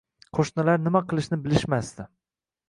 Qo`shnilar nima qilishni bilishmasdi